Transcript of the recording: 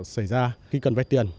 xảy ra khi cần vai tiền